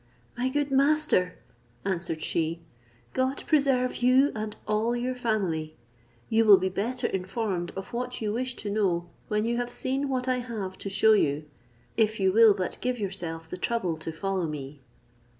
"My good master," answered she, "God preserve you and all your family; you will be better informed of what you wish to know when you have seen what I have to shew you, if you will but give yourself the trouble to follow me."